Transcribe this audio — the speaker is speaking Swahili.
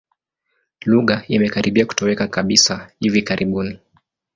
Lugha imekaribia kutoweka kabisa hivi karibuni.